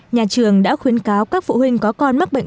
nhà trường đã khuyến cáo các phụ huynh có con mắc bệnh